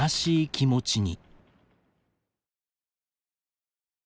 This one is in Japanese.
気持ちに。